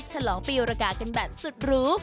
ฉลองปีรกากันแบบสุดรู้